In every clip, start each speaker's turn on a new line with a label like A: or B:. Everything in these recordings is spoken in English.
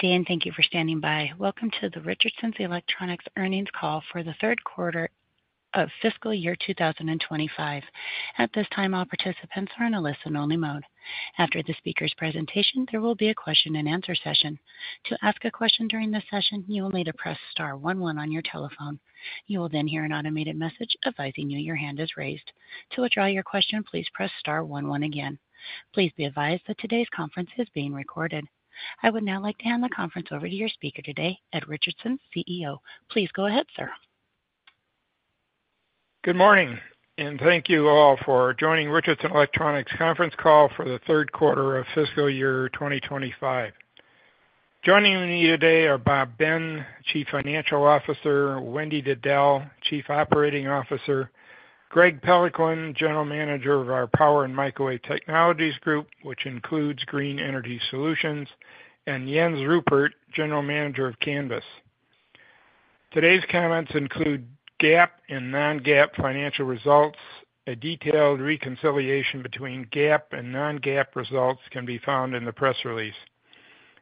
A: Good day, and thank you for standing by. Welcome to the Richardson Electronics Earnings Call for the Third Quarter of Fiscal Year 2025. At this time, all participants are on a listen-only mode. After the speaker's presentation, there will be a question-and-answer session. To ask a question during this session, you will need to press star one one on your telephone. You will then hear an automated message advising you your hand is raised. To withdraw your question, please press star one one again. Please be advised that today's conference is being recorded. I would now like to hand the conference over to your speaker today, Ed Richardson, CEO. Please go ahead, sir.
B: Good morning, and thank you all for joining Richardson Electronics Conference Call for the Third Quarter of Fiscal Year 2025. Joining me today are Bob Ben, Chief Financial Of````ficer; Wendy Diddell, Chief Operating Officer; Greg Peloquin, General Manager of our Power and Microwave Technologies Group, which includes Green Energy Solutions; and Jens Ruppert, General Manager of Canvys. Today's comments include GAAP and non-GAAP financial results. A detailed reconciliation between GAAP and non-GAAP results can be found in the press release.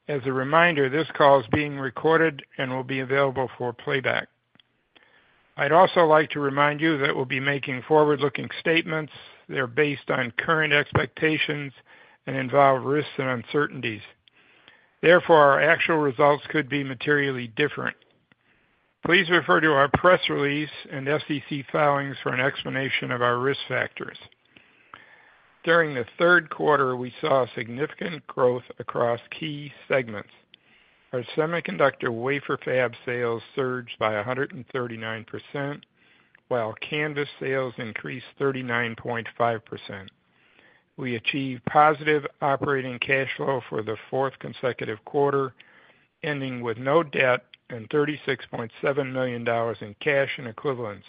B: As a reminder, this call is being recorded and will be available for playback. I'd also like to remind you that we'll be making forward-looking statements. They're based on current expectations and involve risks and uncertainties. Therefore, our actual results could be materially different. Please refer to our press release and FCC filings for an explanation of our risk factors. During the third quarter, we saw significant growth across key segments. Our semiconductor wafer fab sales surged by 139%, while Canvys sales increased 39.5%. We achieved positive operating cash flow for the fourth consecutive quarter, ending with no debt and $36.7 million in cash and equivalents.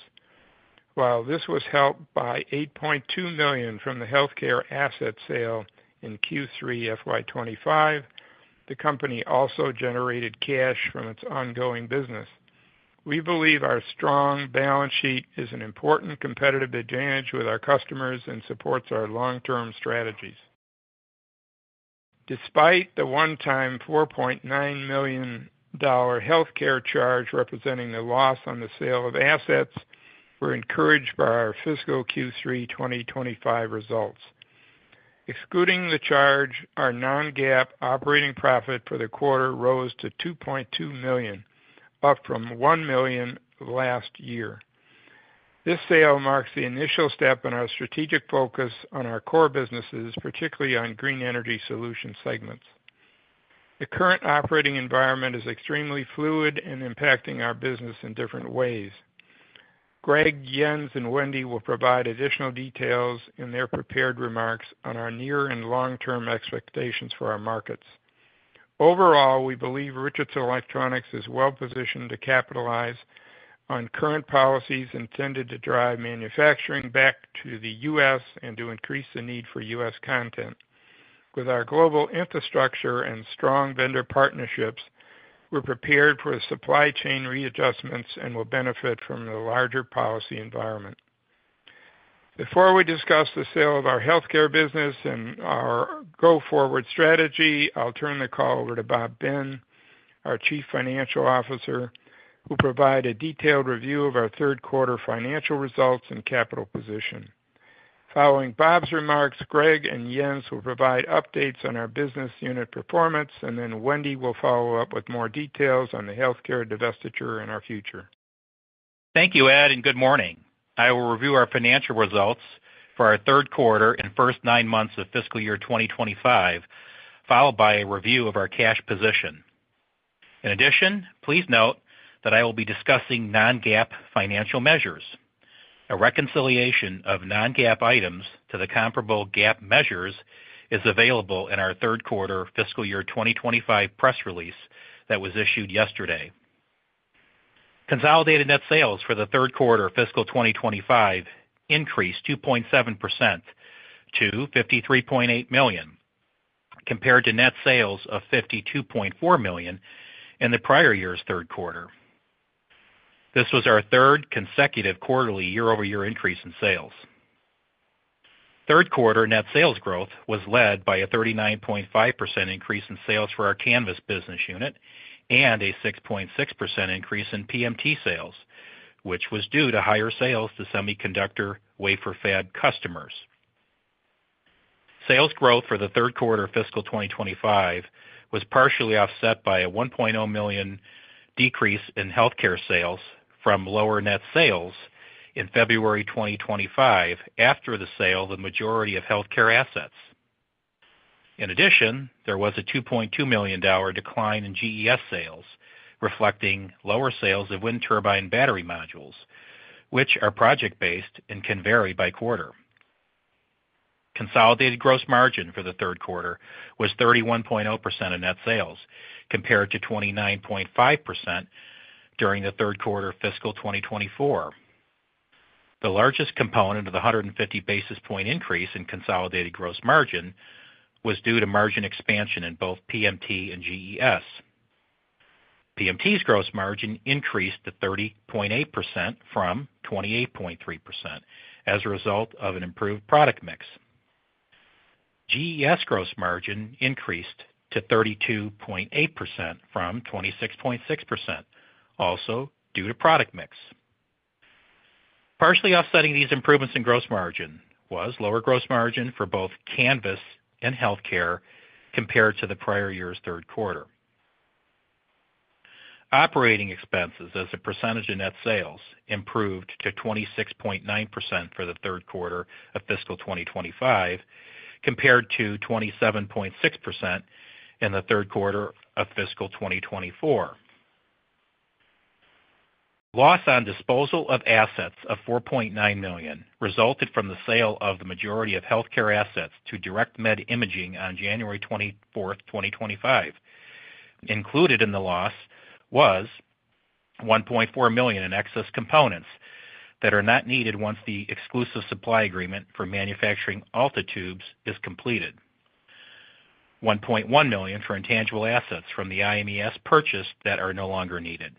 B: While this was helped by $8.2 million from the healthcare asset sale in Q3 FY 2025, the company also generated cash from its ongoing business. We believe our strong balance sheet is an important competitive advantage with our customers and supports our long-term strategies. Despite the one-time $4.9 million healthcare charge representing the loss on the sale of assets, we're encouraged by our fiscal Q3 2025 results. Excluding the charge, our non-GAAP operating profit for the quarter rose to $2.2 million, up from $1 million last year. This sale marks the initial step in our strategic focus on our core businesses, particularly on Green Energy Solution segments. The current operating environment is extremely fluid and impacting our business in different ways. Greg, Jens, and Wendy will provide additional details in their prepared remarks on our near and long-term expectations for our markets. Overall, we believe Richardson Electronics is well-positioned to capitalize on current policies intended to drive manufacturing back to the U.S. and to increase the need for U.S. content. With our global infrastructure and strong vendor partnerships, we're prepared for supply chain readjustments and will benefit from the larger policy environment. Before we discuss the sale of our healthcare business and our go-forward strategy, I'll turn the call over to Bob Ben, our Chief Financial Officer, who will provide a detailed review of our third quarter financial results and capital position. Following Bob's remarks, Greg and Jens will provide updates on our business unit performance, and then Wendy will follow up with more details on the healthcare divestiture and our future.
C: Thank you, Ed, and good morning. I will review our financial results for our third quarter and first nine months of fiscal year 2025, followed by a review of our cash position. In addition, please note that I will be discussing non-GAAP financial measures. A reconciliation of non-GAAP items to the comparable GAAP measures is available in our third quarter fiscal year 2025 press release that was issued yesterday. Consolidated net sales for the third quarter fiscal 2025 increased 2.7% to $53.8 million, compared to net sales of $52.4 million in the prior year's third quarter. This was our third consecutive quarterly year-over-year increase in sales. Third quarter net sales growth was led by a 39.5% increase in sales for our Canvys business unit and a 6.6% increase in PMT sales, which was due to higher sales to semiconductor wafer fab customers. Sales growth for the third quarter fiscal 2025 was partially offset by a $1.0 million decrease in healthcare sales from lower net sales in February 2025 after the sale of the majority of healthcare assets. In addition, there was a $2.2 million decline in GES sales, reflecting lower sales of wind turbine battery modules, which are project-based and can vary by quarter. Consolidated gross margin for the third quarter was 31.0% of net sales, compared to 29.5% during the third quarter fiscal 2024. The largest component of the 150 basis point increase in consolidated gross margin was due to margin expansion in both PMT and GES. PMT's gross margin increased to 30.8% from 28.3% as a result of an improved product mix. GES gross margin increased to 32.8% from 26.6%, also due to product mix. Partially offsetting these improvements in gross margin was lower gross margin for both Canvys and healthcare compared to the prior year's third quarter. Operating expenses, as a percentage of net sales, improved to 26.9% for the third quarter of fiscal 2025, compared to 27.6% in the third quarter of fiscal 2024. Loss on disposal of assets of $4.9 million resulted from the sale of the majority of healthcare assets to DirectMed Imaging on January 24, 2025. Included in the loss was $1.4 million in excess components that are not needed once the exclusive supply agreement for manufacturing ALTA tubes is completed, $1.1 million for intangible assets from the IMES purchase that are no longer needed,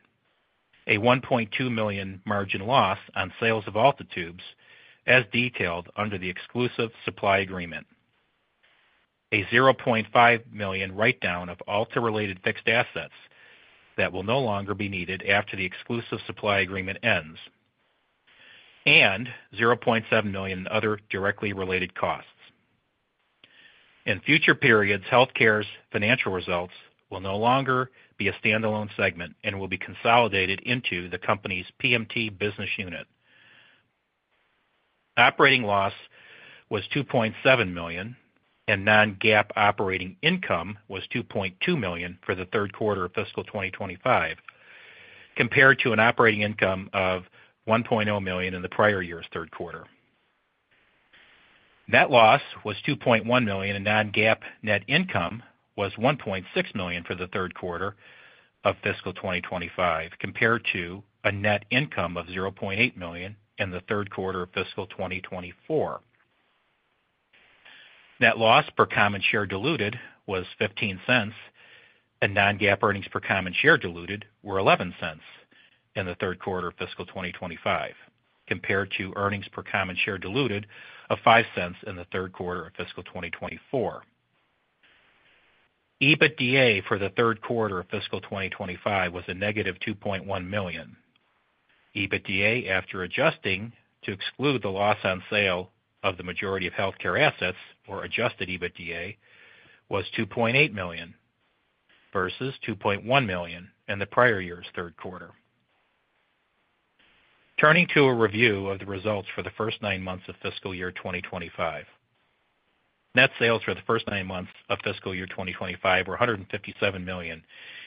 C: a $1.2 million margin loss on sales of ALTA tubes, as detailed under the exclusive supply agreement, a $0.5 million write-down of ALTA-related fixed assets that will no longer be needed after the exclusive supply agreement ends, and $0.7 million in other directly related costs. In future periods, healthcare's financial results will no longer be a standalone segment and will be consolidated into the company's PMT business unit. Operating loss was $2.7 million, and non-GAAP operating income was $2.2 million for the third quarter of fiscal 2025, compared to an operating income of $1.0 million in the prior year's third quarter. Net loss was $2.1 million, and non-GAAP net income was $1.6 million for the third quarter of fiscal 2025, compared to a net income of $0.8 million in the third quarter of fiscal 2024. Net loss per common share diluted was $0.15, and non-GAAP earnings per common share diluted were $0.11 in the third quarter of fiscal 2025, compared to earnings per common share diluted of $0.05 in the third quarter of fiscal 2024. EBITDA for the third quarter of fiscal 2025 was a negative $2.1 million. EBITDA, after adjusting to exclude the loss on sale of the majority of healthcare assets, or adjusted EBITDA, was $2.8 million versus $2.1 million in the prior year's third quarter. Turning to a review of the results for the first nine months of fiscal year 2025. Net sales for the first nine months of fiscal year 2025 were $157 million,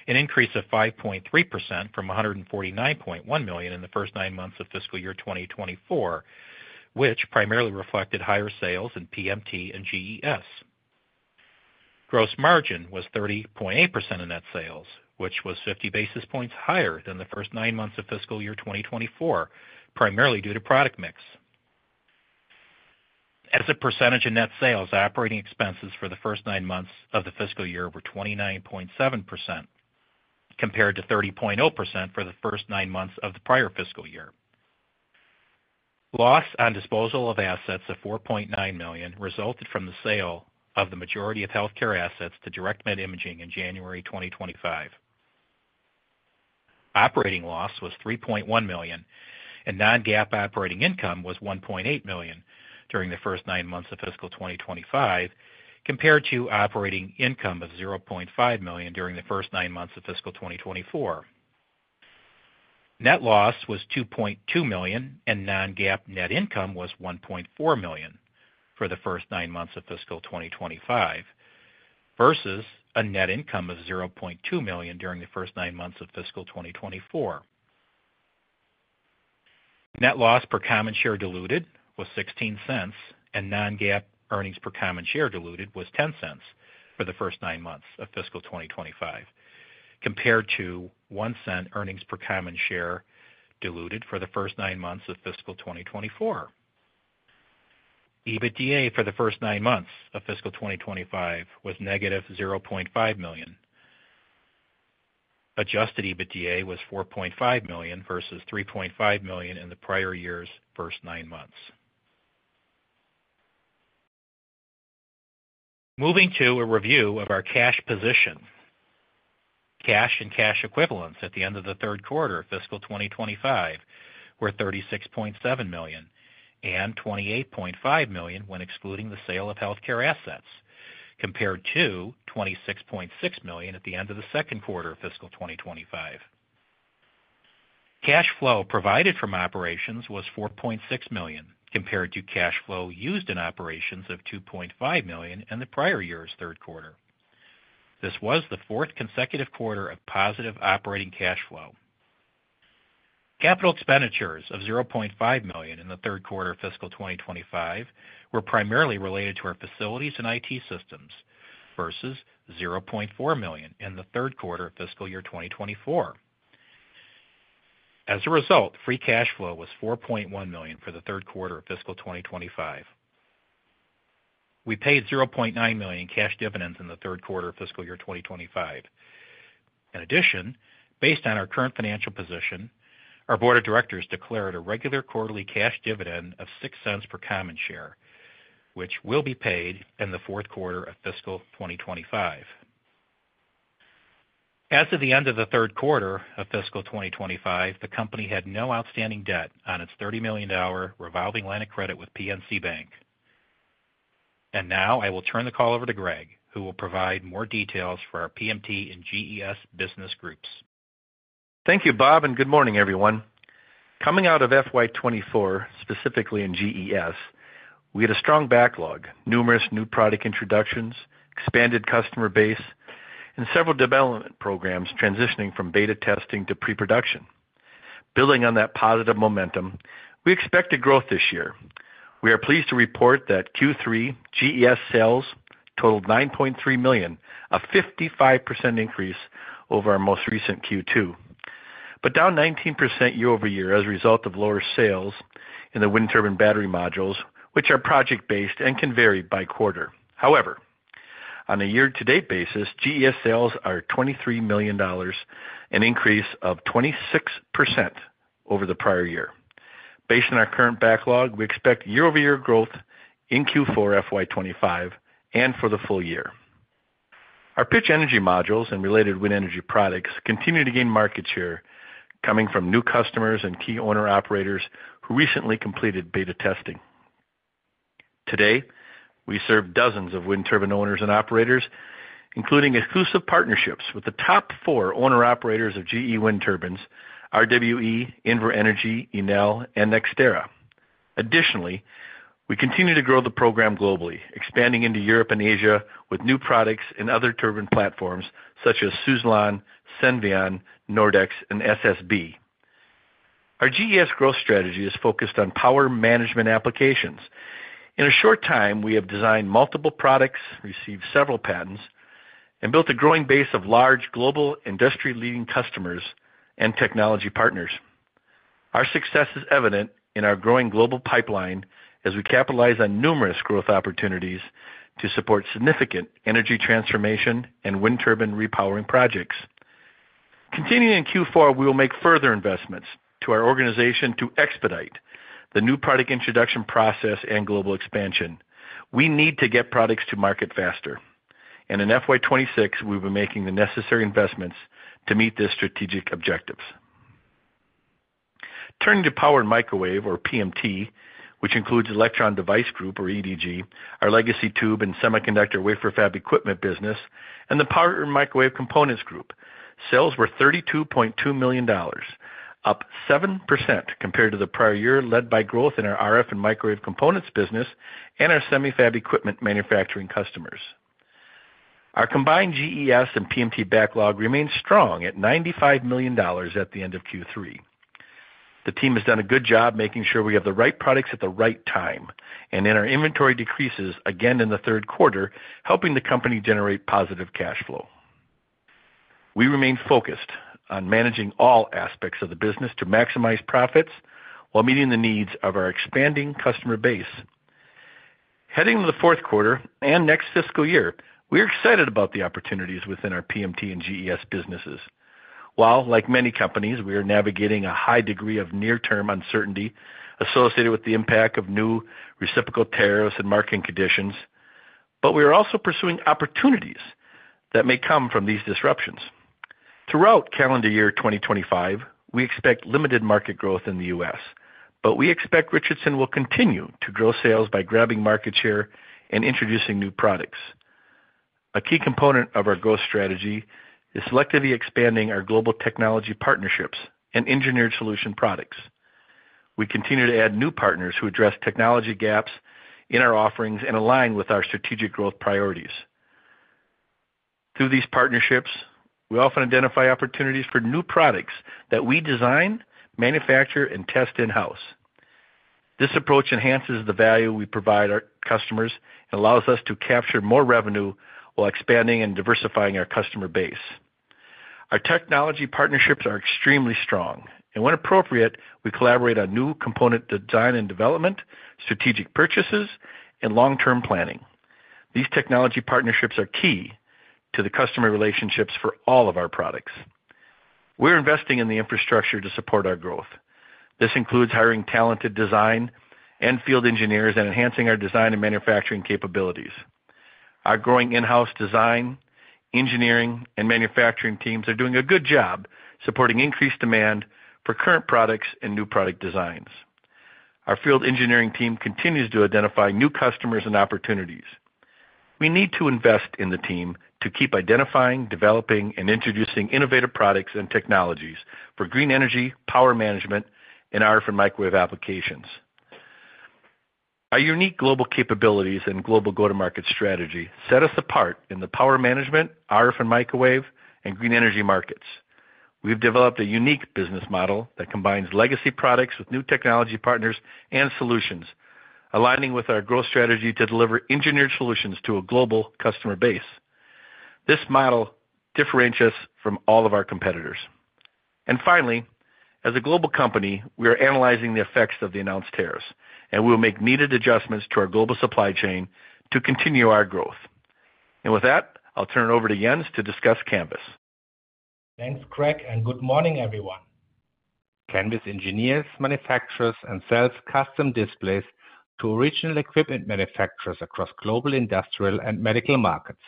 C: an increase of 5.3% from $149.1 million in the first nine months of fiscal year 2024, which primarily reflected higher sales in PMT and GES. Gross margin was 30.8% of net sales, which was 50 basis points higher than the first nine months of fiscal year 2024, primarily due to product mix. As a percentage of net sales, operating expenses for the first nine months of the fiscal year were 29.7%, compared to 30.0% for the first nine months of the prior fiscal year. Loss on disposal of assets of $4.9 million resulted from the sale of the majority of healthcare assets to DirectMed Imaging in January 2025. Operating loss was $3.1 million, and non-GAAP operating income was $1.8 million during the first nine months of fiscal 2025, compared to operating income of $0.5 million during the first nine months of fiscal 2024. Net loss was $2.2 million, and non-GAAP net income was $1.4 million for the first nine months of fiscal 2025, versus a net income of $0.2 million during the first nine months of fiscal 2024. Net loss per common share diluted was $0.16, and non-GAAP earnings per common share diluted was $0.10 for the first nine months of fiscal 2025, compared to $0.01 earnings per common share diluted for the first nine months of fiscal 2024. EBITDA for the first nine months of fiscal 2025 was $-0.5 million. Adjusted EBITDA was $4.5 million versus $3.5 million in the prior year's first nine months. Moving to a review of our cash position. Cash and cash equivalents at the end of the third quarter of fiscal 2025 were $36.7 million and $28.5 million when excluding the sale of healthcare assets, compared to $26.6 million at the end of the second quarter of fiscal 2025. Cash flow provided from operations was $4.6 million, compared to cash flow used in operations of $2.5 million in the prior year's third quarter. This was the fourth consecutive quarter of positive operating cash flow. Capital expenditures of $0.5 million in the third quarter of fiscal 2025 were primarily related to our facilities and IT systems, versus $0.4 million in the third quarter of fiscal year 2024. As a result, free cash flow was $4.1 million for the third quarter of fiscal 2025. We paid $0.9 million in cash dividends in the third quarter of fiscal year 2025. In addition, based on our current financial position, our board of directors declared a regular quarterly cash dividend of $0.06 per common share, which will be paid in the fourth quarter of fiscal 2025. As of the end of the third quarter of fiscal 2025, the company had no outstanding debt on its $30 million revolving line of credit with PNC Bank. I will now turn the call over to Greg, who will provide more details for our PMT and GES business groups.
D: Thank you, Bob, and good morning, everyone. Coming out of FY 2024, specifically in GES, we had a strong backlog, numerous new product introductions, expanded customer base, and several development programs transitioning from beta testing to pre-production. Building on that positive momentum, we expect a growth this year. We are pleased to report that Q3 GES sales totaled $9.3 million, a 55% increase over our most recent Q2, but down 19% year-over-year as a result of lower sales in the wind turbine battery modules, which are project-based and can vary by quarter. However, on a year-to-date basis, GES sales are $23 million, an increase of 26% over the prior year. Based on our current backlog, we expect year-over-year growth in Q4 FY 2025 and for the full year. Our pitch energy modules and related wind energy products continue to gain market share, coming from new customers and key owner-operators who recently completed beta testing. Today, we serve dozens of wind turbine owners and operators, including exclusive partnerships with the top four owner-operators of GE wind turbines, RWE, Invenergy, Enel, and NextEra. Additionally, we continue to grow the program globally, expanding into Europe and Asia with new products and other turbine platforms such as Suzlon, Senvion, Nordex, and SSB. Our GES growth strategy is focused on power management applications. In a short time, we have designed multiple products, received several patents, and built a growing base of large global industry-leading customers and technology partners. Our success is evident in our growing global pipeline as we capitalize on numerous growth opportunities to support significant energy transformation and wind turbine repowering projects. Continuing in Q4, we will make further investments to our organization to expedite the new product introduction process and global expansion. We need to get products to market faster. In FY 2026, we will be making the necessary investments to meet these strategic objectives. Turning to power and microwave, or PMT, which includes Electron Device Group, or EDG, our legacy tube and semiconductor wafer fab equipment business, and the power and microwave components group, sales were $32.2 million, up 7% compared to the prior year, led by growth in our RF and microwave components business and our semi-fab equipment manufacturing customers. Our combined GES and PMT backlog remains strong at $95 million at the end of Q3. The team has done a good job making sure we have the right products at the right time, and our inventory decreases again in the third quarter, helping the company generate positive cash flow. We remain focused on managing all aspects of the business to maximize profits while meeting the needs of our expanding customer base. Heading into the fourth quarter and next fiscal year, we are excited about the opportunities within our PMT and GES businesses. While, like many companies, we are navigating a high degree of near-term uncertainty associated with the impact of new reciprocal tariffs and market conditions, we are also pursuing opportunities that may come from these disruptions. Throughout calendar year 2025, we expect limited market growth in the U.S., but we expect Richardson will continue to grow sales by grabbing market share and introducing new products. A key component of our growth strategy is selectively expanding our global technology partnerships and engineered solution products. We continue to add new partners who address technology gaps in our offerings and align with our strategic growth priorities. Through these partnerships, we often identify opportunities for new products that we design, manufacture, and test in-house. This approach enhances the value we provide our customers and allows us to capture more revenue while expanding and diversifying our customer base. Our technology partnerships are extremely strong, and when appropriate, we collaborate on new component design and development, strategic purchases, and long-term planning. These technology partnerships are key to the customer relationships for all of our products. We're investing in the infrastructure to support our growth. This includes hiring talented design and field engineers and enhancing our design and manufacturing capabilities. Our growing in-house design, engineering, and manufacturing teams are doing a good job supporting increased demand for current products and new product designs. Our field engineering team continues to identify new customers and opportunities. We need to invest in the team to keep identifying, developing, and introducing innovative products and technologies for green energy, power management, and RF and microwave applications. Our unique global capabilities and global go-to-market strategy set us apart in the power management, RF and microwave, and green energy markets. We've developed a unique business model that combines legacy products with new technology partners and solutions, aligning with our growth strategy to deliver engineered solutions to a global customer base. This model differentiates us from all of our competitors. Finally, as a global company, we are analyzing the effects of the announced tariffs, and we will make needed adjustments to our global supply chain to continue our growth. With that, I'll turn it over to Jens to discuss Canvys.
E: Thanks, Greg, and good morning, everyone. Canvys engineers, manufactures, and sells custom displays to original equipment manufacturers across global industrial and medical markets.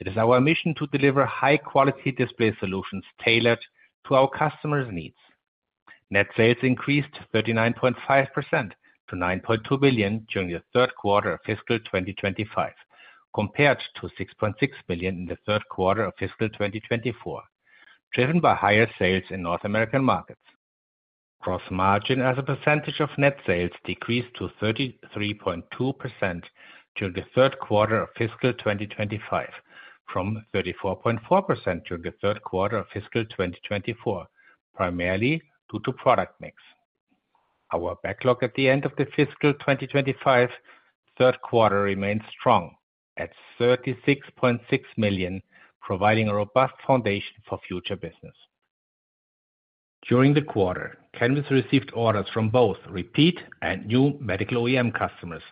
E: It is our mission to deliver high-quality display solutions tailored to our customers' needs. Net sales increased 39.5% to $9.2 million during the third quarter of fiscal 2025, compared to $6.6 million in the third quarter of fiscal 2024, driven by higher sales in North American markets. Gross margin as a percentage of net sales decreased to 33.2% during the third quarter of fiscal 2025, from 34.4% during the third quarter of fiscal 2024, primarily due to product mix. Our backlog at the end of the fiscal 2025 third quarter remains strong at $36.6 million, providing a robust foundation for future business. During the quarter, Canvys received orders from both repeat and new medical OEM customers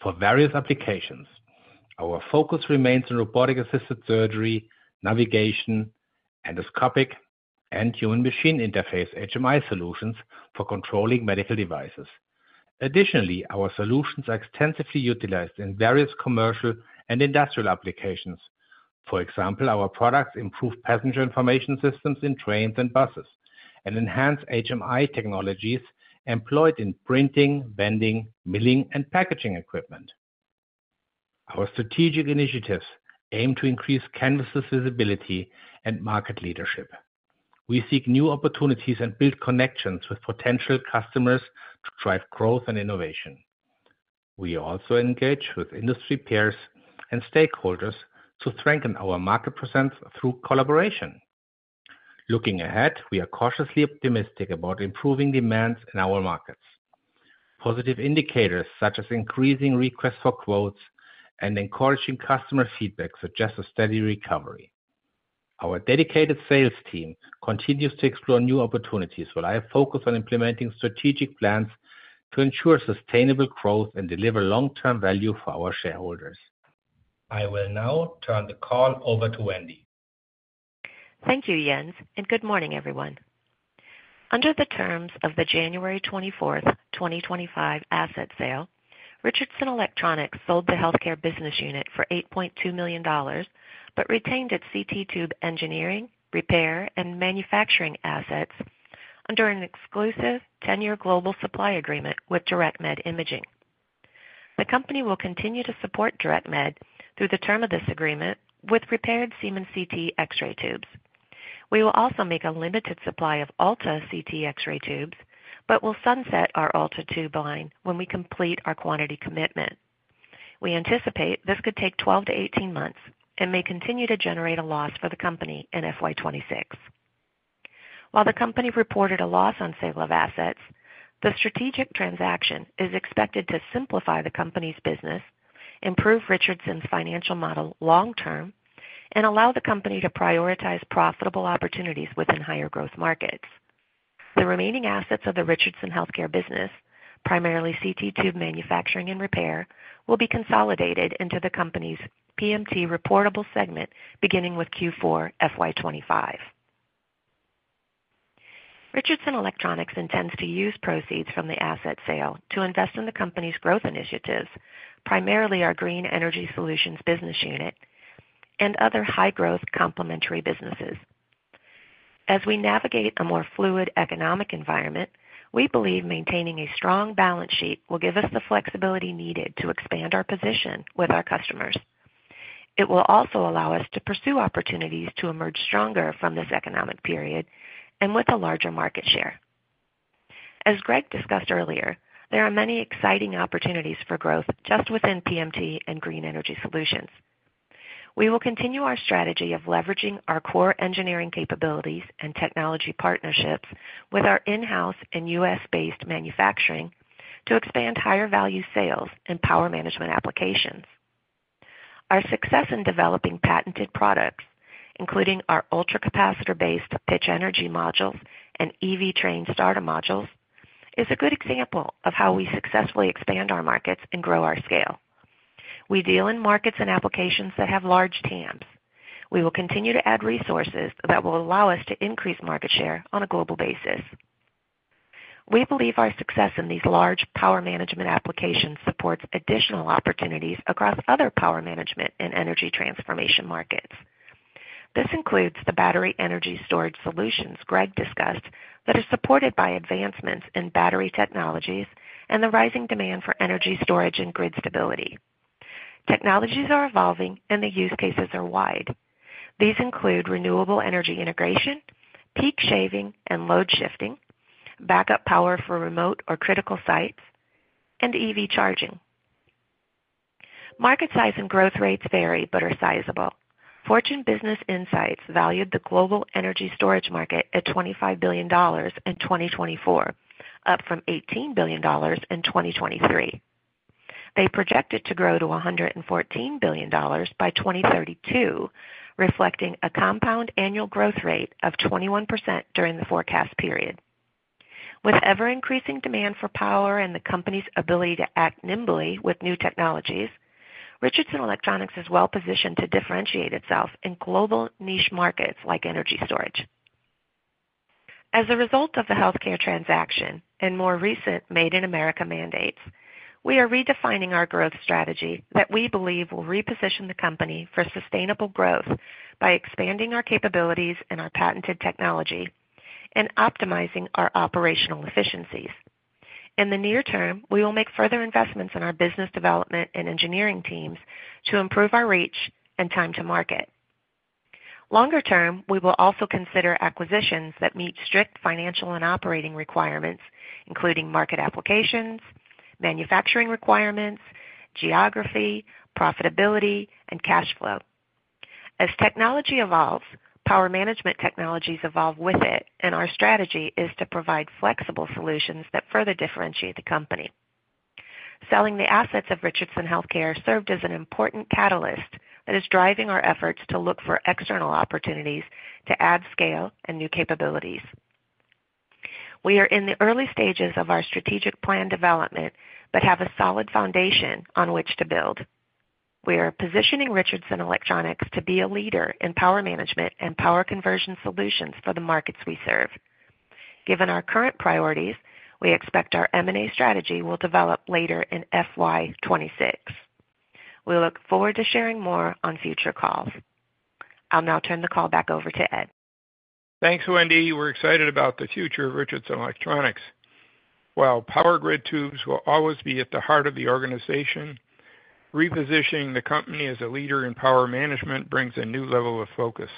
E: for various applications. Our focus remains on robotic-assisted surgery, navigation, endoscopic, and human-machine interface (HMI) solutions for controlling medical devices. Additionally, our solutions are extensively utilized in various commercial and industrial applications. For example, our products improve passenger information systems in trains and buses and enhance HMI technologies employed in printing, bending, milling, and packaging equipment. Our strategic initiatives aim to increase Canvys's visibility and market leadership. We seek new opportunities and build connections with potential customers to drive growth and innovation. We also engage with industry peers and stakeholders to strengthen our market presence through collaboration. Looking ahead, we are cautiously optimistic about improving demands in our markets. Positive indicators such as increasing requests for quotes and encouraging customer feedback suggest a steady recovery. Our dedicated sales team continues to explore new opportunities while I focus on implementing strategic plans to ensure sustainable growth and deliver long-term value for our shareholders. I will now turn the call over to Wendy.
F: Thank you, Jens, and good morning, everyone. Under the terms of the January 24, 2025 asset sale, Richardson Electronics sold the healthcare business unit for $8.2 million but retained its CT tube engineering, repair, and manufacturing assets under an exclusive 10-year global supply agreement with DirectMed Imaging. The company will continue to support DirectMed through the term of this agreement with repaired Siemens CT X-ray tubes. We will also make a limited supply of ALTA CT X-ray tubes but will sunset our ALTA tube line when we complete our quantity commitment. We anticipate this could take 12-18 months and may continue to generate a loss for the company in FY 2026. While the company reported a loss on sale of assets, the strategic transaction is expected to simplify the company's business, improve Richardson's financial model long-term, and allow the company to prioritize profitable opportunities within higher growth markets. The remaining assets of the Richardson Healthcare business, primarily CT tube manufacturing and repair, will be consolidated into the company's PMT reportable segment beginning with Q4 FY 2025. Richardson Electronics intends to use proceeds from the asset sale to invest in the company's growth initiatives, primarily our Green Energy Solutions business unit and other high-growth complementary businesses. As we navigate a more fluid economic environment, we believe maintaining a strong balance sheet will give us the flexibility needed to expand our position with our customers. It will also allow us to pursue opportunities to emerge stronger from this economic period and with a larger market share. As Greg discussed earlier, there are many exciting opportunities for growth just within PMT and Green Energy Solutions. We will continue our strategy of leveraging our core engineering capabilities and technology partnerships with our in-house and U.S.-based manufacturing to expand higher-value sales and power management applications. Our success in developing patented products, including our ultra-capacitor-based pitch energy modules and EV train starter modules, is a good example of how we successfully expand our markets and grow our scale. We deal in markets and applications that have large TAMs. We will continue to add resources that will allow us to increase market share on a global basis. We believe our success in these large power management applications supports additional opportunities across other power management and energy transformation markets. This includes the battery energy storage solutions Greg discussed that are supported by advancements in battery technologies and the rising demand for energy storage and grid stability. Technologies are evolving, and the use cases are wide. These include renewable energy integration, peak shaving and load shifting, backup power for remote or critical sites, and EV charging. Market size and growth rates vary but are sizable. Fortune Business Insights valued the global energy storage market at $25 billion in 2024, up from $18 billion in 2023. They projected to grow to $114 billion by 2032, reflecting a compound annual growth rate of 21% during the forecast period. With ever-increasing demand for power and the company's ability to act nimbly with new technologies, Richardson Electronics is well-positioned to differentiate itself in global niche markets like energy storage. As a result of the healthcare transaction and more recent Made in America mandates, we are redefining our growth strategy that we believe will reposition the company for sustainable growth by expanding our capabilities and our patented technology and optimizing our operational efficiencies. In the near term, we will make further investments in our business development and engineering teams to improve our reach and time to market. Longer term, we will also consider acquisitions that meet strict financial and operating requirements, including market applications, manufacturing requirements, geography, profitability, and cash flow. As technology evolves, power management technologies evolve with it, and our strategy is to provide flexible solutions that further differentiate the company. Selling the assets of Richardson Healthcare served as an important catalyst that is driving our efforts to look for external opportunities to add scale and new capabilities. We are in the early stages of our strategic plan development but have a solid foundation on which to build. We are positioning Richardson Electronics to be a leader in power management and power conversion solutions for the markets we serve. Given our current priorities, we expect our M&A strategy will develop later in FY 2026. We look forward to sharing more on future calls. I'll now turn the call back over to Ed.
B: Thanks, Wendy. We're excited about the future of Richardson Electronics. While power grid tubes will always be at the heart of the organization, repositioning the company as a leader in power management brings a new level of focus.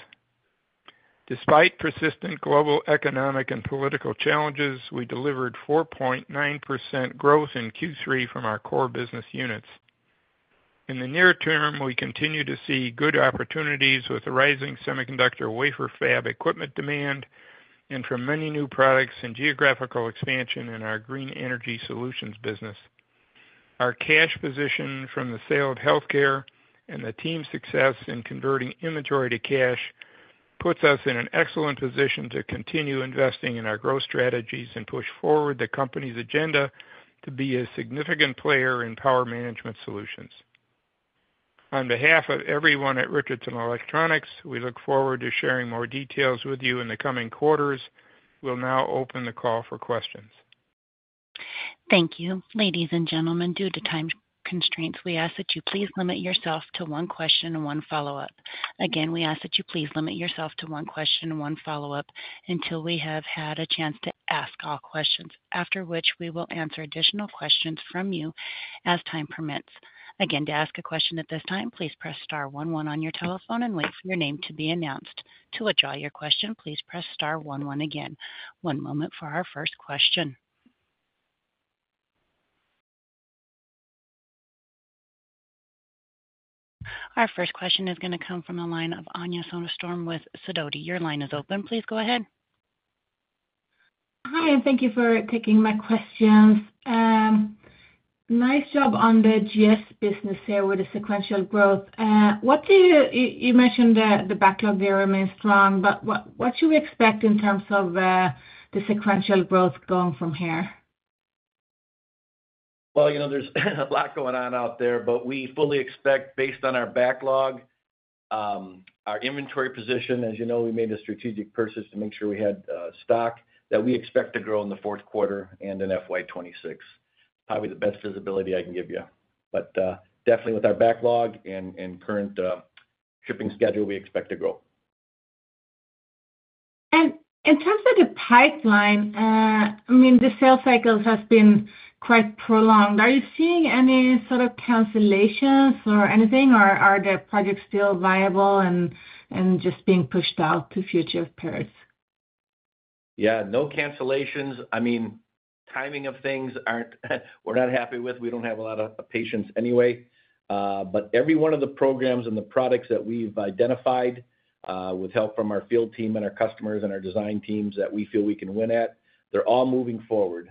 B: Despite persistent global economic and political challenges, we delivered 4.9% growth in Q3 from our core business units. In the near term, we continue to see good opportunities with the rising semiconductor wafer fab equipment demand and from many new products and geographical expansion in our Green Energy Solutions business. Our cash position from the sale of healthcare and the team's success in converting inventory to cash puts us in an excellent position to continue investing in our growth strategies and push forward the company's agenda to be a significant player in power management solutions. On behalf of everyone at Richardson Electronics, we look forward to sharing more details with you in the coming quarters. We'll now open the call for questions.
A: Thank you. Ladies and gentlemen, due to time constraints, we ask that you please limit yourself to one question and one follow-up. Again, we ask that you please limit yourself to one question and one follow-up until we have had a chance to ask all questions, after which we will answer additional questions from you as time permits. Again, to ask a question at this time, please press star one one on your telephone and wait for your name to be announced. To withdraw your question, please press star one one again. One moment for our first question. Our first question is going to come from the line of Anja Soderstrom with Sidoti. Your line is open. Please go ahead.
G: Hi, and thank you for taking my questions. Nice job on the GES business here with the sequential growth. You mentioned that the backlog there remains strong, but what should we expect in terms of the sequential growth going from here?
D: There is a lot going on out there, but we fully expect, based on our backlog, our inventory position, as you know, we made a strategic purchase to make sure we had stock that we expect to grow in the fourth quarter and in FY 2026. Probably the best visibility I can give you. Definitely, with our backlog and current shipping schedule, we expect to grow.
G: In terms of the pipeline, I mean, the sales cycle has been quite prolonged. Are you seeing any sort of cancellations or anything, or are the projects still viable and just being pushed out to future periods?
D: Yeah, no cancellations. I mean, timing of things we're not happy with. We don't have a lot of patience anyway. Every one of the programs and the products that we've identified with help from our field team and our customers and our design teams that we feel we can win at, they're all moving forward.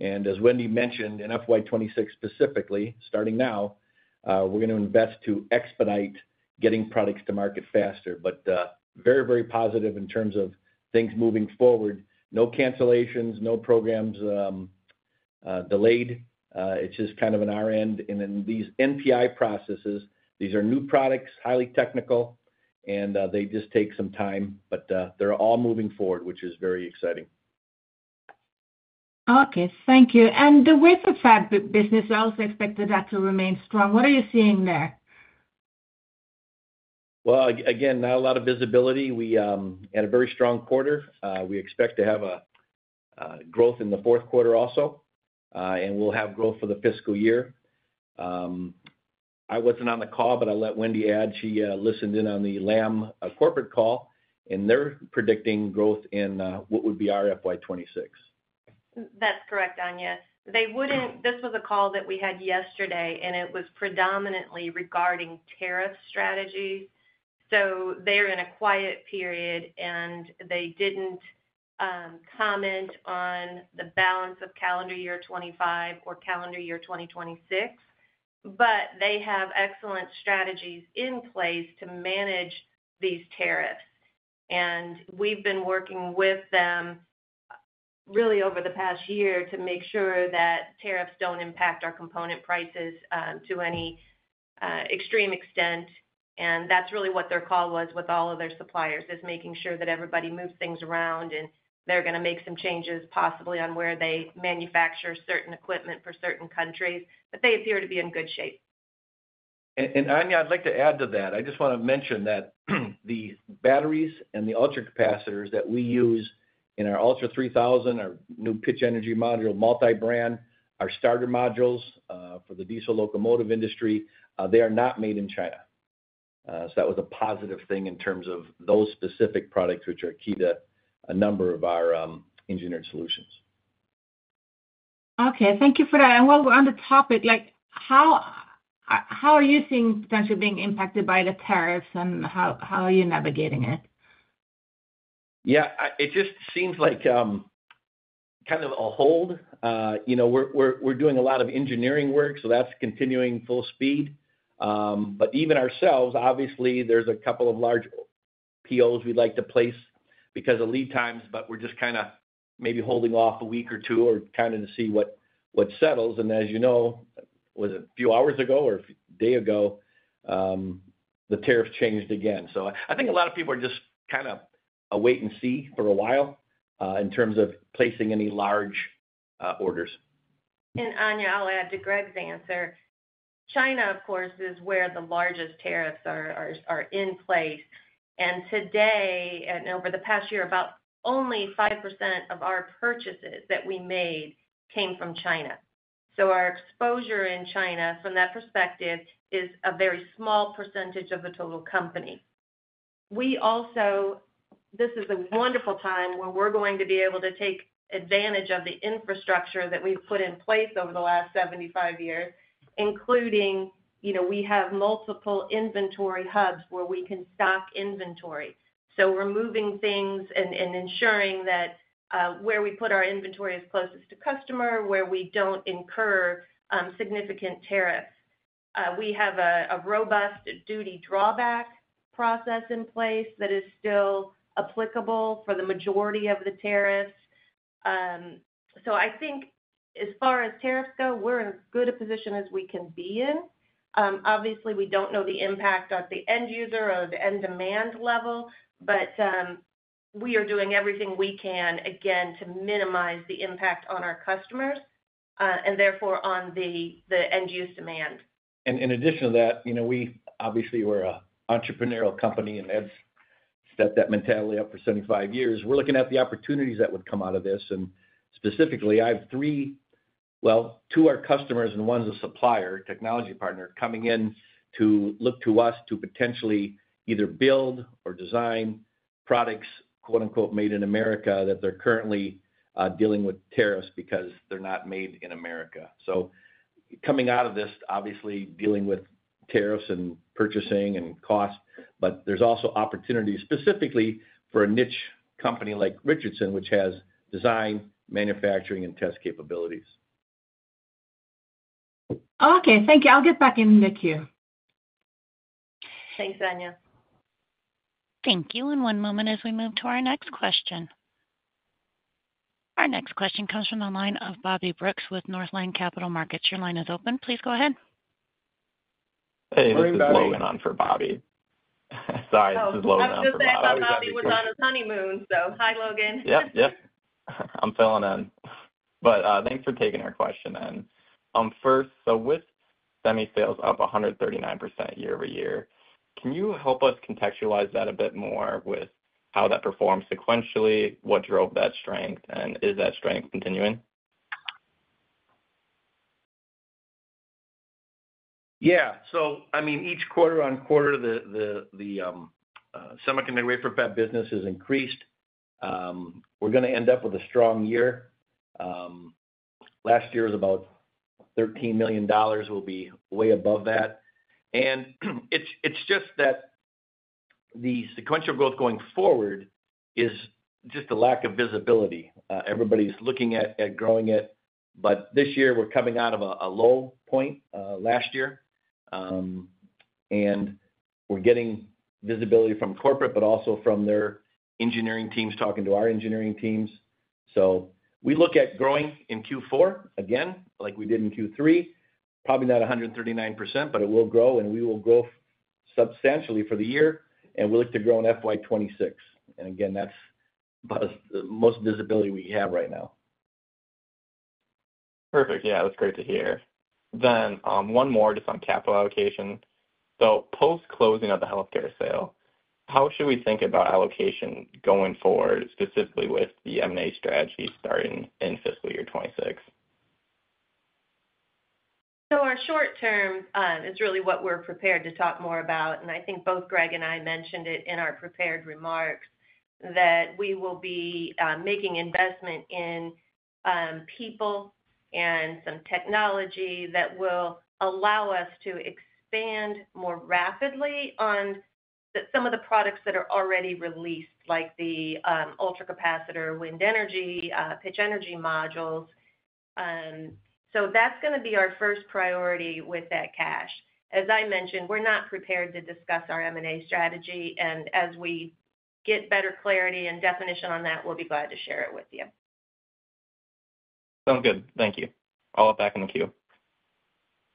D: As Wendy mentioned, in FY 2026 specifically, starting now, we're going to invest to expedite getting products to market faster. Very, very positive in terms of things moving forward. No cancellations, no programs delayed. It's just kind of on our end. These NPI processes, these are new products, highly technical, and they just take some time, but they're all moving forward, which is very exciting.
G: Thank you. The wafer fab business, I also expected that to remain strong. What are you seeing there?
D: Again, not a lot of visibility. We had a very strong quarter. We expect to have growth in the fourth quarter also, and we'll have growth for the fiscal year. I wasn't on the call, but I'll let Wendy add. She listened in on the Lam corporate call, and they're predicting growth in what would be our FY 2026.
F: That's correct, Anya. This was a call that we had yesterday, and it was predominantly regarding tariff strategies. They are in a quiet period, and they did not comment on the balance of calendar year 2025 or calendar year 2026. They have excellent strategies in place to manage these tariffs. We have been working with them really over the past year to make sure that tariffs do not impact our component prices to any extreme extent. That is really what their call was with all of their suppliers, making sure that everybody moves things around, and they are going to make some changes possibly on where they manufacture certain equipment for certain countries. They appear to be in good shape.
D: Anya, I'd like to add to that. I just want to mention that the batteries and the ultra capacitors that we use in our ULTRA3000, our new pitch energy module, multi-brand, our starter modules for the diesel locomotive industry, they are not made in China. That was a positive thing in terms of those specific products, which are key to a number of our engineered solutions.
G: Thank you for that. While we're on the topic, how are you seeing potential being impacted by the tariffs, and how are you navigating it?
D: Yeah. It just seems like kind of a hold. We're doing a lot of engineering work, so that's continuing full speed. Even ourselves, obviously, there's a couple of large POs we'd like to place because of lead times, but we're just kind of maybe holding off a week or two or kind of to see what settles. As you know, a few hours ago or a day ago, the tariff changed again. I think a lot of people are just kind of a wait-and-see for a while in terms of placing any large orders.
F: Anya, I'll add to Greg's answer. China, of course, is where the largest tariffs are in place. Today, and over the past year, about only 5% of our purchases that we made came from China. Our exposure in China, from that perspective, is a very small percentage of the total company. This is a wonderful time where we're going to be able to take advantage of the infrastructure that we've put in place over the last 75 years, including we have multiple inventory hubs where we can stock inventory. We're moving things and ensuring that where we put our inventory is closest to customer, where we don't incur significant tariffs. We have a robust duty drawback process in place that is still applicable for the majority of the tariffs. I think as far as tariffs go, we're in as good a position as we can be in. Obviously, we don't know the impact at the end user or the end demand level, but we are doing everything we can, again, to minimize the impact on our customers and therefore on the end-use demand.
D: In addition to that, we obviously were an entrepreneurial company, and Ed's set that mentality up for 75 years. We're looking at the opportunities that would come out of this. Specifically, I have three, well, two are customers and one's a supplier, technology partner, coming in to look to us to potentially either build or design products "made in America" that they're currently dealing with tariffs because they're not made in America. Coming out of this, obviously, dealing with tariffs and purchasing and cost, but there's also opportunity specifically for a niche company like Richardson, which has design, manufacturing, and test capabilities.
G: Okay. Thank you. I'll get back in the queue.
F: Thanks, Anja.
A: Thank you. One moment as we move to our next question. Our next question comes from the line of Bobby Brooks with Northland Capital Markets. Your line is open. Please go ahead.
H: Hey, this is Logan on for Bobby. Sorry, this is Logan on for Bobby.
F: I was just saying Bobby was on his honeymoon, so hi, Logan.
H: Yep, yep. I'm filling in. Thanks for taking our question in. First, with semi sales up 139% year-over-year, can you help us contextualize that a bit more with how that performed sequentially, what drove that strength, and is that strength continuing?
D: Yeah. I mean, each quarter-on-quarter, the semiconductor wafer fab business has increased. We're going to end up with a strong year. Last year was about $13 million. We'll be way above that. It's just that the sequential growth going forward is just a lack of visibility. Everybody's looking at growing it, but this year, we're coming out of a low point last year, and we're getting visibility from corporate, but also from their engineering teams talking to our engineering teams. We look at growing in Q4 again, like we did in Q3, probably not 139%, but it will grow, and we will grow substantially for the year, and we'll look to grow in FY 2026. Again, that's the most visibility we have right now.
H: Perfect. Yeah, that's great to hear. One more just on capital allocation. Post-closing of the healthcare sale, how should we think about allocation going forward, specifically with the M&A strategy starting in fiscal year 2026?
F: Our short term is really what we're prepared to talk more about. I think both Greg and I mentioned it in our prepared remarks that we will be making investment in people and some technology that will allow us to expand more rapidly on some of the products that are already released, like the ultra capacitor, wind energy, pitch energy modules. That's going to be our first priority with that cash. As I mentioned, we're not prepared to discuss our M&A strategy. As we get better clarity and definition on that, we'll be glad to share it with you.
H: Sounds good. Thank you. I'll get back in the queue.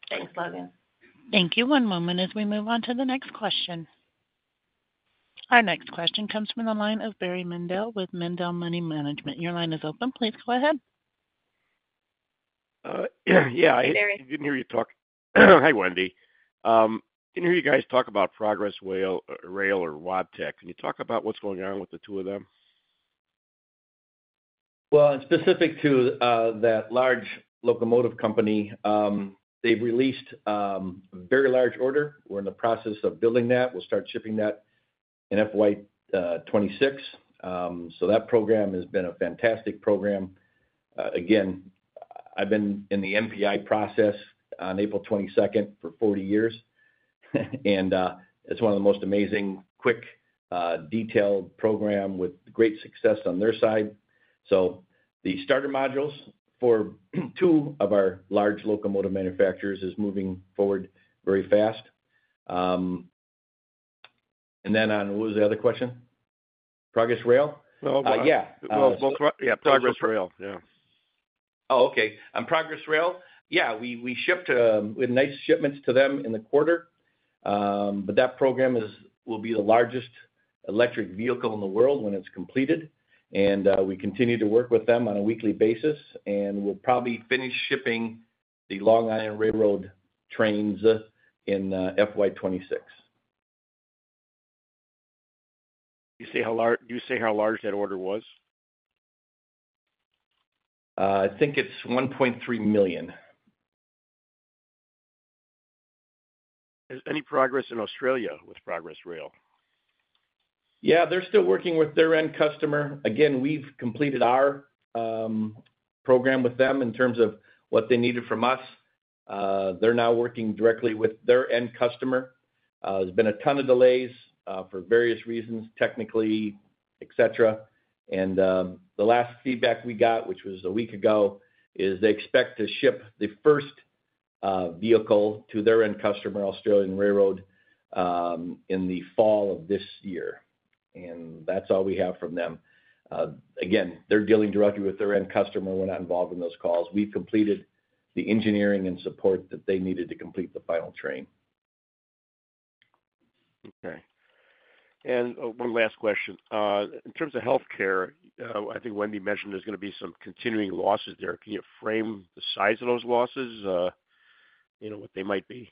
F: Thanks, Logan.
A: Thank you. One moment as we move on to the next question. Our next question comes from the line of Barry Mendel with Mendel Money Management. Your line is open. Please go ahead.
I: Yeah.
F: Barry.
I: I didn't hear you talk. Hi, Wendy. I didn't hear you guys talk about Progress Rail or Wabtec. Can you talk about what's going on with the two of them?
D: Specific to that large locomotive company, they've released a very large order. We're in the process of building that. We'll start shipping that in FY 2026. That program has been a fantastic program. Again, I've been in the NPI process on April 22nd for 40 years, and it's one of the most amazing, quick, detailed programs with great success on their side. The starter modules for two of our large locomotive manufacturers are moving forward very fast. What was the other question? Progress Rail?
I: Oh, yeah. Yeah, Progress Rail. Yeah.
D: Oh, okay. On Progress Rail, yeah, we shipped nice shipments to them in the quarter, but that program will be the largest electric vehicle in the world when it is completed. We continue to work with them on a weekly basis, and we will probably finish shipping the Long Island Railroad trains in FY 2026.
I: You say how large that order was?
D: I think it's $1.3 million.
I: Is any progress in Australia with Progress Rail?
D: Yeah, they're still working with their end customer. Again, we've completed our program with them in terms of what they needed from us. They're now working directly with their end customer. There's been a ton of delays for various reasons, technically, etc. The last feedback we got, which was a week ago, is they expect to ship the first vehicle to their end customer, Australian Railroad, in the fall of this year. That's all we have from them. Again, they're dealing directly with their end customer. We're not involved in those calls. We've completed the engineering and support that they needed to complete the final train.
I: Okay. And one last question. In terms of healthcare, I think Wendy mentioned there's going to be some continuing losses there. Can you frame the size of those losses, what they might be?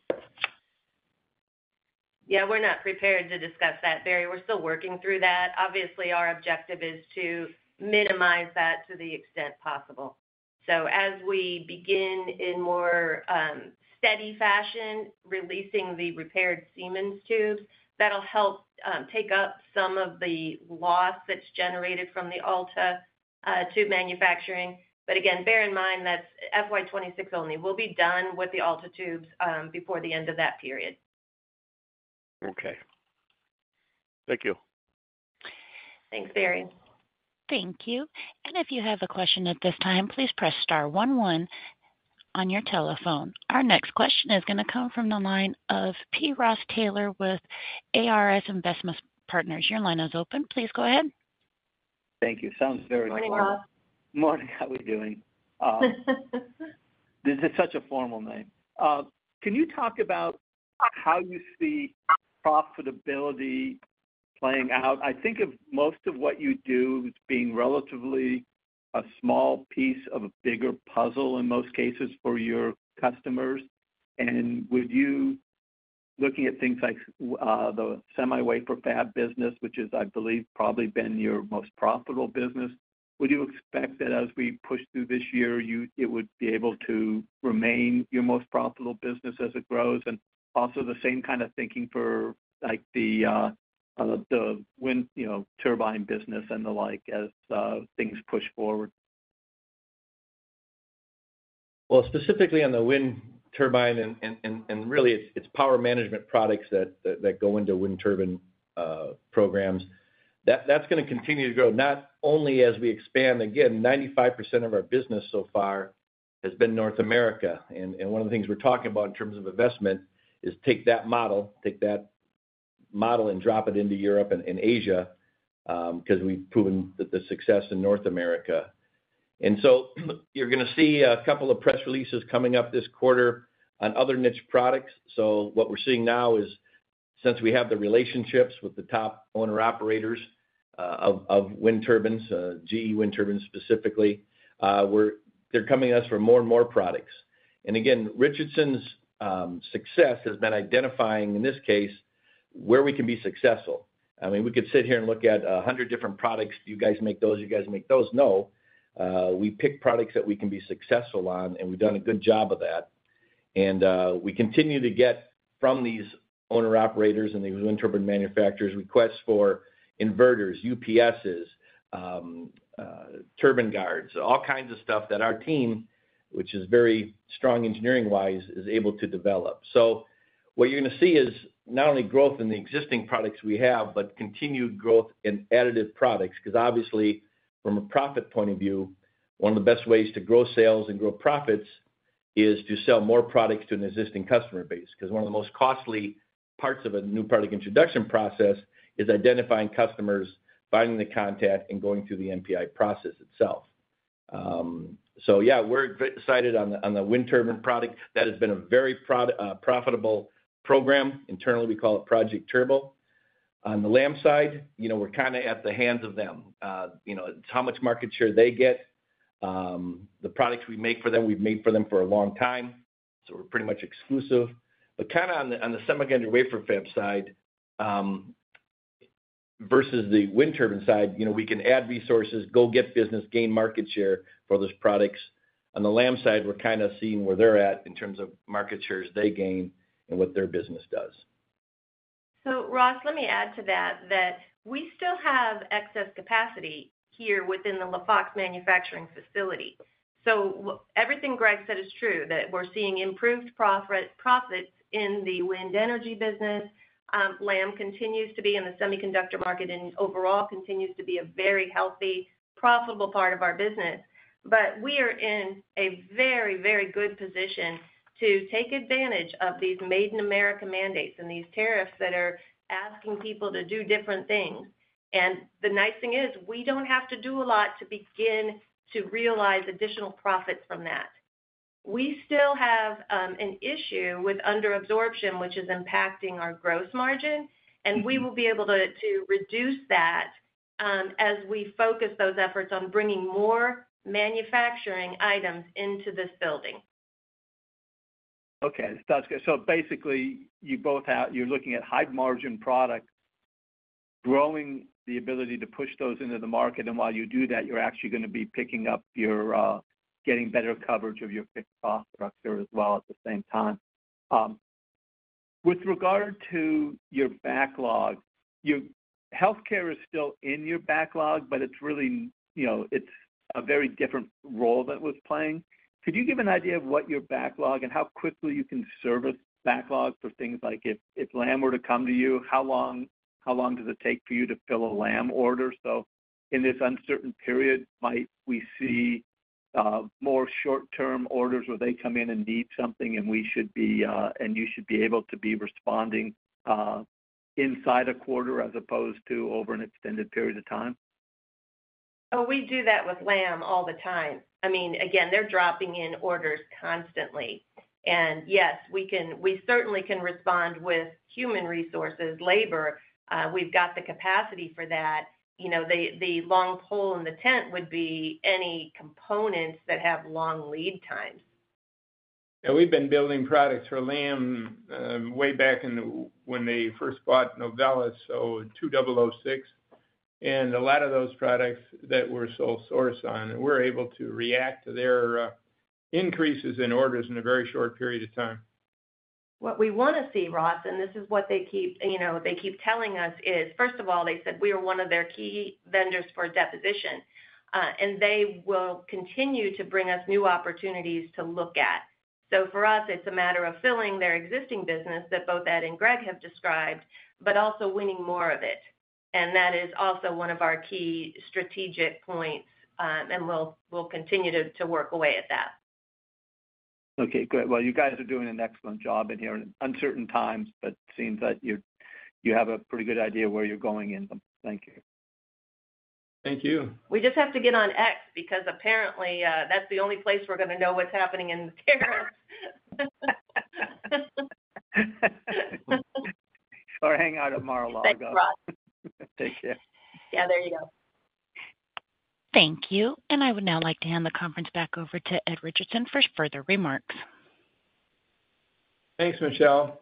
F: Yeah. We're not prepared to discuss that, Barry. We're still working through that. Obviously, our objective is to minimize that to the extent possible. As we begin in more steady fashion releasing the repaired Siemens tubes, that'll help take up some of the loss that's generated from the ALTA tube manufacturing. Again, bear in mind that's FY 2026 only. We'll be done with the ALTA tubes before the end of that period.
I: Okay. Thank you.
F: Thanks, Barry.
A: Thank you. If you have a question at this time, please press star one one on your telephone. Our next question is going to come from the line of Ross Taylor with ARS Investment Partners. Your line is open. Please go ahead.
J: Thank you. Sounds very warm.
F: Morning.
J: Morning. How are we doing? This is such a formal name. Can you talk about how you see profitability playing out? I think of most of what you do as being relatively a small piece of a bigger puzzle in most cases for your customers. Looking at things like the semi-wafer fab business, which is, I believe, probably been your most profitable business, would you expect that as we push through this year, it would be able to remain your most profitable business as it grows? Also the same kind of thinking for the wind turbine business and the like as things push forward?
D: Specifically on the wind turbine, and really, it's power management products that go into wind turbine programs. That's going to continue to grow, not only as we expand. Again, 95% of our business so far has been North America. One of the things we're talking about in terms of investment is take that model, take that model and drop it into Europe and Asia because we've proven the success in North America. You're going to see a couple of press releases coming up this quarter on other niche products. What we're seeing now is, since we have the relationships with the top owner-operators of wind turbines, GE wind turbines specifically, they're coming to us for more and more products. Richardson's success has been identifying, in this case, where we can be successful. I mean, we could sit here and look at 100 different products. Do you guys make those? Do you guys make those? No. We pick products that we can be successful on, and we've done a good job of that. We continue to get from these owner-operators and these wind turbine manufacturers requests for inverters, UPSes, turbine guards, all kinds of stuff that our team, which is very strong engineering-wise, is able to develop. What you're going to see is not only growth in the existing products we have, but continued growth in additive products because, obviously, from a profit point of view, one of the best ways to grow sales and grow profits is to sell more products to an existing customer base because one of the most costly parts of a new product introduction process is identifying customers, finding the contact, and going through the NPI process itself. Yeah, we're excited on the wind turbine product. That has been a very profitable program. Internally, we call it Project Turbo. On the Lam side, we're kind of at the hands of them. It's how much market share they get. The products we make for them, we've made for them for a long time, so we're pretty much exclusive. Kind of on the semiconductor wafer fab side versus the wind turbine side, we can add resources, go get business, gain market share for those products. On the Lam side, we're kind of seeing where they're at in terms of market shares they gain and what their business does.
F: Ross, let me add to that that we still have excess capacity here within the LaFox manufacturing facility. Everything Greg said is true, that we're seeing improved profits in the wind energy business. Lam continues to be in the semiconductor market and overall continues to be a very healthy, profitable part of our business. We are in a very, very good position to take advantage of these Made in America mandates and these tariffs that are asking people to do different things. The nice thing is we don't have to do a lot to begin to realize additional profits from that. We still have an issue with underabsorption, which is impacting our gross margin, and we will be able to reduce that as we focus those efforts on bringing more manufacturing items into this building.
J: Okay. Sounds good. Basically, you're looking at high-margin products, growing the ability to push those into the market. While you do that, you're actually going to be picking up, you're getting better coverage of your picked-off structure as well at the same time. With regard to your backlog, healthcare is still in your backlog, but it's a very different role that it was playing. Could you give an idea of what your backlog is and how quickly you can service backlogs for things like if Lam were to come to you, how long does it take for you to fill a Lam order? In this uncertain period, might we see more short-term orders where they come in and need something, and we should be, and you should be able to be responding inside a quarter as opposed to over an extended period of time?
F: Oh, we do that with Lam all the time. I mean, again, they're dropping in orders constantly. Yes, we certainly can respond with human resources, labor. We've got the capacity for that. The long pole in the tent would be any components that have long lead times.
B: Yeah. We've been building products for Lam way back when they first bought Novellus, so 2006. And a lot of those products that we're sole source on, we're able to react to their increases in orders in a very short period of time.
F: What we want to see, Ross, and this is what they keep telling us, is first of all, they said we are one of their key vendors for deposition, and they will continue to bring us new opportunities to look at. For us, it's a matter of filling their existing business that both Ed and Greg have described, but also winning more of it. That is also one of our key strategic points, and we'll continue to work away at that.
J: Okay. Good. You guys are doing an excellent job in here. In uncertain times, but it seems that you have a pretty good idea of where you're going in them. Thank you.
C: Thank you.
F: We just have to get on X because apparently that's the only place we're going to know what's happening in the care.
J: Or hang out at Mar-a-Lago.
F: Thanks, Ross.
J: Take care.
F: Yeah. There you go.
A: Thank you. I would now like to hand the conference back over to Ed Richardson for further remarks.
B: Thanks, Michelle.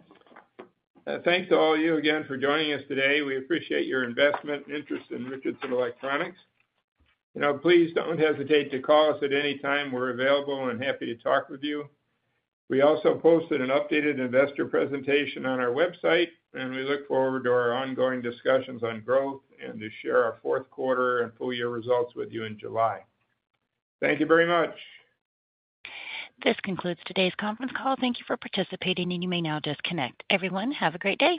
B: Thanks to all of you again for joining us today. We appreciate your investment and interest in Richardson Electronics. Please don't hesitate to call us at any time. We're available and happy to talk with you. We also posted an updated investor presentation on our website, and we look forward to our ongoing discussions on growth and to share our fourth quarter and full-year results with you in July. Thank you very much.
A: This concludes today's conference call. Thank you for participating, and you may now disconnect. Everyone, have a great day.